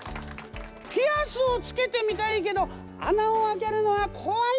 ピアスをつけてみたいけど穴を開けるのは怖いなって時。